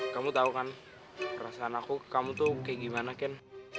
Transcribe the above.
kamu tau kan perasaan aku kamu tuh kayak gimana kan